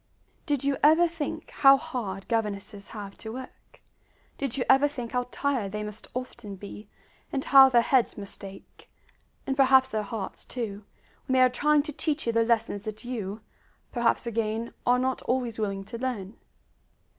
Did you ever think how hard governesses have to work? Did you ever think how tired they must often be, and how their heads must ache and perhaps their hearts, too when they are trying to teach you the lessons that you perhaps again are not always willing to learn?